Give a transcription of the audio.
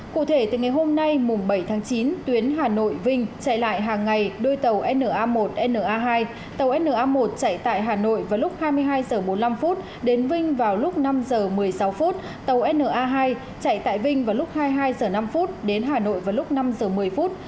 cụ thể từ ngày hôm nay mùng bảy tháng chín tuyến hà nội vinh chạy lại hàng ngày đôi tàu na một na hai tàu na một chạy tại hà nội vào lúc hai mươi hai h bốn mươi năm đến vinh vào lúc năm h một mươi sáu phút tàu na hai chạy tại vinh vào lúc hai mươi hai h năm đến hà nội vào lúc năm giờ một mươi phút